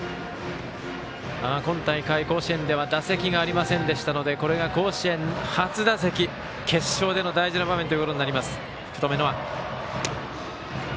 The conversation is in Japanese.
今大会、甲子園では打席がありませんでしたのでこれが甲子園初打席決勝での大事な舞台ということになります、福留希空。